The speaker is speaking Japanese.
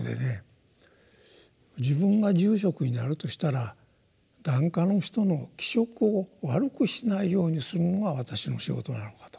自分が住職になるとしたら檀家の人の気色を悪くしないようにするのが私の仕事なのかと。